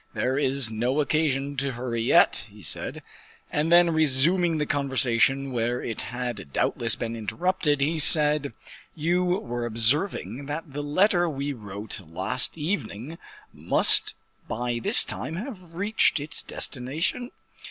"There is no occasion to hurry yet," he said; and then resuming the conversation where it had doubtless been interrupted, he said, "You were observing that the letter we wrote last evening must by this time have reached its destination?"